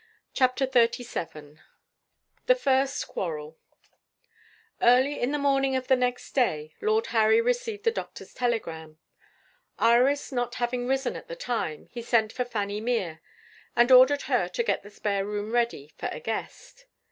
CHAPTER XXXVII THE FIRST QUARREL EARLY in the morning of the next day, Lord Harry received the doctor's telegram. Iris not having risen at the time, he sent for Fanny Mere, and ordered her to get the spare room ready for a guest.